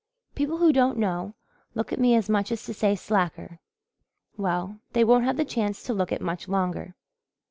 People who don't know look at me as much as to say 'Slacker!' Well, they won't have the chance to look it much longer."